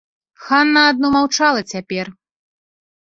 Хана адно маўчала цяпер.